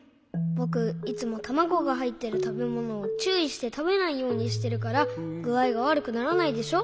ぼくいつもたまごがはいってるたべものをちゅういしてたべないようにしてるからぐあいがわるくならないでしょ？